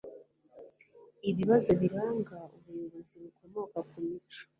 ibibazo biranga; ubuyobozi bukomoka ku mico